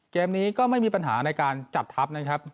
เกมนี้ก็ไม่มีปัญหาในการจัดทัพนะครับ